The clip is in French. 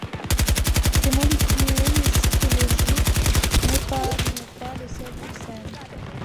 Ces molécules cytologiques n'épargnent pas les cellules saines.